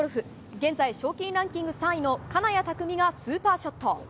現在、賞金ランキング３位の金谷拓実がスーパーショット。